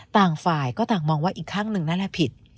ต่างฝ่ายก็ต่างมองว่าอีกข้างหนึ่งนั่นแหละผิด